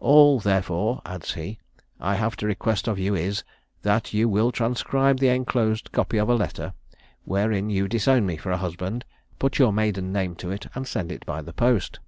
"All, therefore, (adds he) I have to request of you is, that you will transcribe the enclosed copy of a letter, wherein you disown me for a husband; put your maiden name to it, and send it by the post.